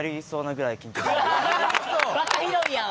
バカ広いやん！